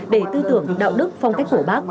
để tư tưởng đạo đức phong cách của bác